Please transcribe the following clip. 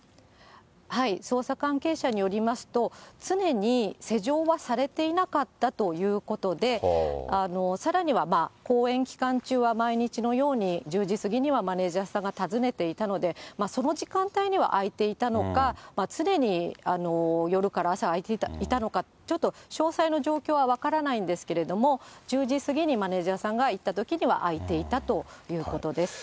捜査関係者によりますと、常に施錠はされていなかったということで、さらには公演期間中は毎日のように、１０時過ぎにはマネージャーさんが訪ねていたので、その時間帯には開いていたのか、常に夜から朝、開いていたのか、ちょっと詳細な状況は分からないんですけれども、１０時過ぎにマネージャーさんが行ったときには開いていたということです。